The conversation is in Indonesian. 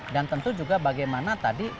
dan tentu juga bagaimana tadi